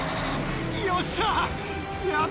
よっしゃ！